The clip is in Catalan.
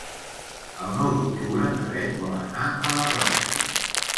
El nou d'octubre na Beth vol anar a la platja.